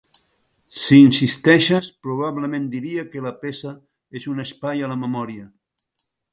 Si insisteixes, probablement diria que la peça és un espai a la memòria.